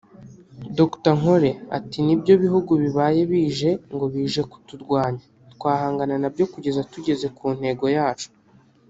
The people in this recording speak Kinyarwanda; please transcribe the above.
Dr Nkole ati “Nibyo bihugu bibaye bije ngo bije kuturwanya twahangana nabyo kugeza tugeze ku ntego yacu